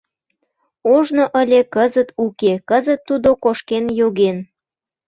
Ожно ыле, кызыт уке, кызыт тудо кошкен йоген